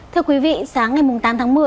thưa quý vị sáng ngày tám tháng một mươi